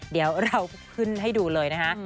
เดี๋ยวเราขึ้นให้ดูเลยนะคะ